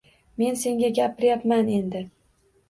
Men senga gapiryapman endi!